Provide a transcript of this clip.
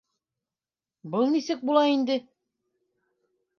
- Был нисек була инде?